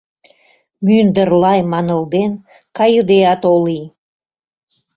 Мӱндыр-лай манылден кайыдеат о лий